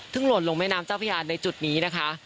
หล่นลงแม่น้ำเจ้าพญาในจุดนี้นะคะ